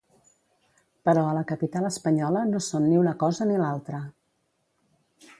Però a la capital espanyola no són ni una cosa ni l'altra.